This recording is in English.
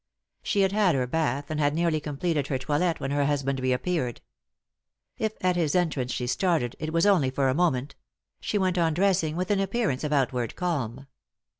She had had her bath, and had nearly completed her toilet when her husband reappeared. If at his entrance she started, it was only for a moment ; she went on dressing with an appearance of outward calm.